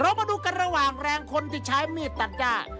มาดูกันระหว่างแรงคนที่ใช้มีดตัดย่า